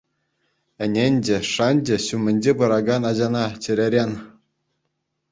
Ӗненчӗ, шанчӗ ҫумӗнче пыракан ачана, чӗререн.